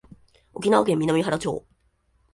沖縄県南風原町